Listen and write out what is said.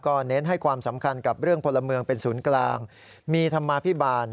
เน้นให้ความสำคัญกับเรื่องพลเมืองเป็นศูนย์กลางมีธรรมาภิบาล